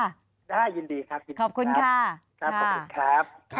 ได้ยินดีครับยินดีครับขอบคุณครับขอบคุณครับครับขอบคุณครับ